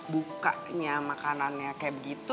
bukanya makanannya kayak begitu